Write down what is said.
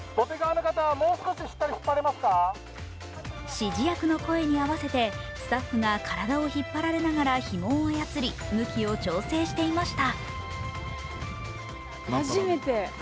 指示役の声に合わせて、スタッフが体を引っ張られながらひもを操り、向きを調整していました。